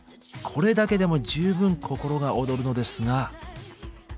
これだけでも十分心が躍るのですが。